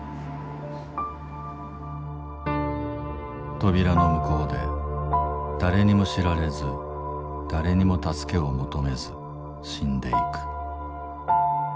扉の向こうで誰にも知られず誰にも助けを求めず死んでいく。